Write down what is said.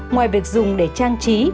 ngoài việc dùng để trang trí